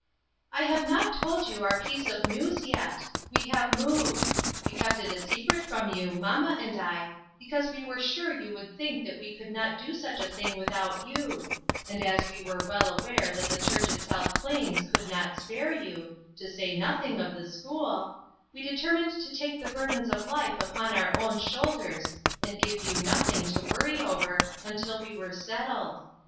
" I have not told you our piece of news, yet. We have moved. We kept it a secret from you, mamma and I, because we were sure you would think that we could not do such a thing without you ; and as we were well aware that the church at South Plains could not spare you to say nothing of the school we determined to take the burdens of life upon our own shoulders, and give you nothing to worry over, until we were settled.